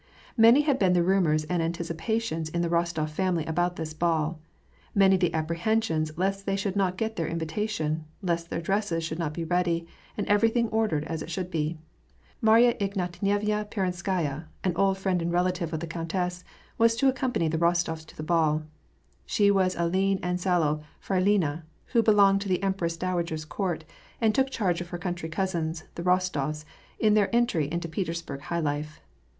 Many had been the rumors and anticipations in the Rostof family about this ball ; many the apprehensions lest they should not get their invitation, lest their dresses should not be ready, and everything ordered as it should be. Marya Tgnatyevna Peronskaya, an old friend and relative of the countess, was to accompany the Rostofs to the ball. She was a lean and sallow freiliyia, who belonged to the empress dowager's court, and took charge of her country cousins, the Rostofs, in their entry into Petersburg high life.